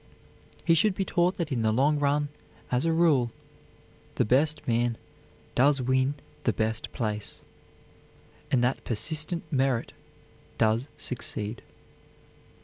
He should be taught that in the long run, as a rule, the best man does win the best place, and that persistent merit does succeed.